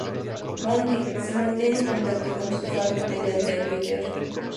Mandy se mantiene en contacto con sus fans mediante su Twitter.